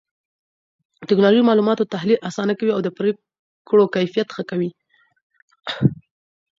ټکنالوژي د معلوماتو تحليل آسانه کوي او پرېکړو کيفيت ښه کوي.